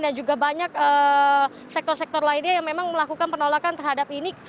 dan juga banyak sektor sektor lainnya yang memang melakukan penolakan terhadap ini